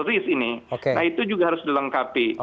nah ini juga harus dilengkapi